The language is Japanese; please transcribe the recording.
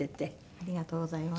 ありがとうございます。